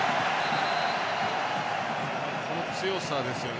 この強さですよね